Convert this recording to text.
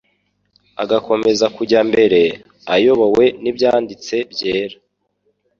agakomeza kujya mbere, ayobowe n'Ibyanditse Byera